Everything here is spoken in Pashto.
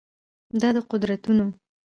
دا د قدرتونو